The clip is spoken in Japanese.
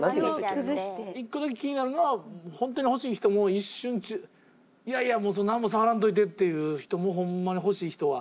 一個だけ気になるのは本当に欲しい人も一瞬いやいや何も触らんといてっていう人もホンマに欲しい人は。